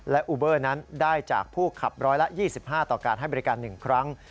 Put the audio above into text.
และอูเบอร์นั้นได้จากผู้ขับ๑๒๕ต่อการให้บริการ๑ครั้ง